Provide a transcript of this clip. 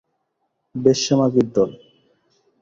বেশ্যা মাগির দল!